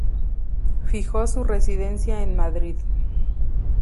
Fijó su residencia en Madrid.